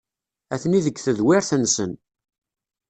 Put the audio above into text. Atni deg tedwirt-nsen.